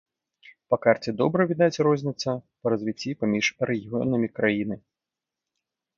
Па карце добра відаць розніца па развіцці паміж рэгіёнамі краіны.